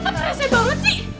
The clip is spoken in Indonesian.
itu neta kerasa banget sih